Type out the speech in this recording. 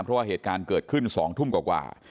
เพราะว่าเหตุการณ์เกิดขึ้น๒ทุ่มกว่า